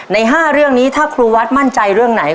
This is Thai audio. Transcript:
ใน๕เรื่องนี้ถ้าครูวัดมั่นใจเรื่องไหน